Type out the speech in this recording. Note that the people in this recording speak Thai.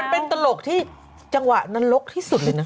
มันเป็นตลกที่จังหวะนันลกที่สุดนะ